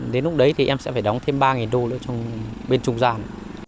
đến lúc đấy thì em sẽ phải đóng thêm ba đô nữa trong bên trung gian